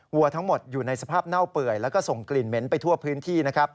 วัวทั้งหมดอยู่ในสภาพเน่าเปื่อยแล้วก็ส่งกลิ่นเหม็นไปทั่วพื้นที่นะครับ